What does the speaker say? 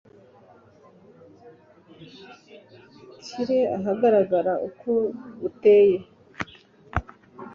nshyire ahagaragara uko buteye